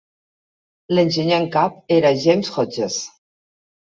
L'enginyer en cap era James Hodges.